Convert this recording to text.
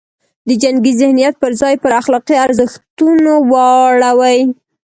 د جنګي ذهنیت پر ځای یې پر اخلاقي ارزښتونو واړوي.